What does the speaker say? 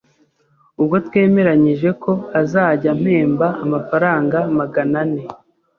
Ubwo twemeranyije ko azajya ampemba amafaranga magana ane